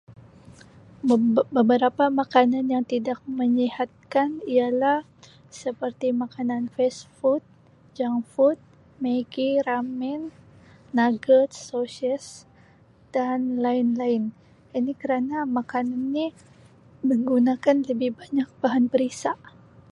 "Beb-beberapa makanan yang tidak menyihatkan ialah seperti makanan ""fast food"", ""junk food"", maggi, ""ramen"", ""nuggets"", soses dan lain-lain. Ini kerana makanan ni menggunakan lebih banyak bahan perisa."